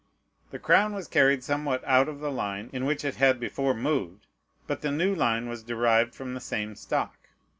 The crown was carried somewhat out of the line in which it had before moved; but the new line was derived from the same stock.